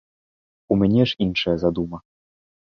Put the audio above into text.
У мяне ж іншая задума.